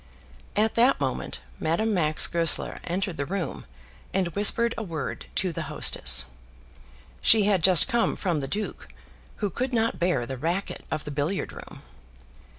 At that moment Madame Max Goesler entered the room and whispered a word to the hostess. She had just come from the duke, who could not bear the racket of the billiard room.